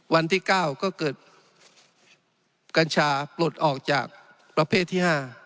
วันที่๙ก็เกิดกัญชาปลดออกจากประเภทที่๕